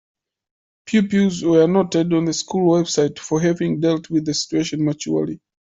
Pupils were noted on the school's website for having dealt with the situation maturely.